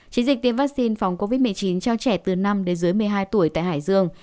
chiến dịch tiêm vaccine phòng covid một mươi chín cho trẻ từ năm đến dưới một mươi hai tuổi tại hải dương